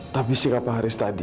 tapi sikap pak haris tadi